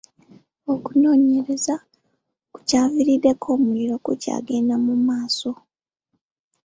Okunoonyereza ku kyaviiriddeko omuliro kukyagenda mu maaso.